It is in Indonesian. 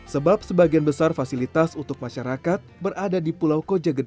sebab sebagian besar fasilitas untuk masyarakat berada di pulau koja gede